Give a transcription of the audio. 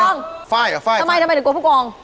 ฝ้ายเฉยฝ้ายทำไมทำไมทำไมน่ะกลัวปุ๊กอง